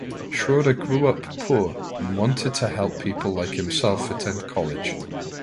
Schroeder grew up poor and wanted to help people like himself attend college.